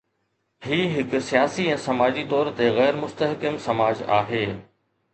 هي هڪ سياسي ۽ سماجي طور تي غير مستحڪم سماج آهي.